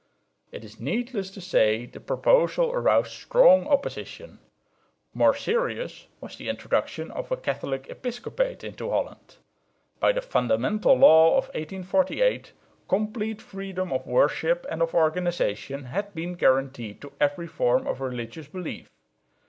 It is needless to say the proposal aroused strong opposition. More serious was the introduction of a Catholic episcopate into Holland. By the Fundamental Law of 1848 complete freedom of worship and of organisation had been guaranteed to every form of religious belief.